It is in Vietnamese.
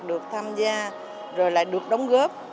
được tham gia rồi lại được đóng góp